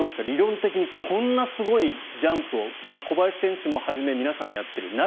理論的に、こんなすごいジャンプ小林選手をはじめ皆さんがやっている。